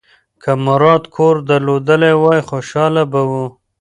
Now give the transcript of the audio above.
که مراد کور درلودلی وای، خوشاله به و.